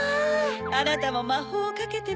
あなたもまほうをかけてみる？